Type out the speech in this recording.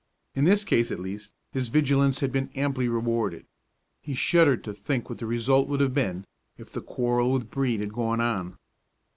In this case, at least, his vigilance had been amply rewarded. He shuddered to think what the result would have been if the quarrel with Brede had gone on.